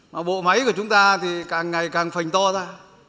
mà bộ máy của chúng ta thì càng ngày càng phành to thôi